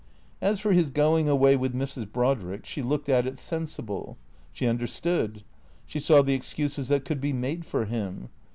As for his going away with Mrs. Brodrick, she " looked at it sensible." She understood. She saw the excuses that could be made for him.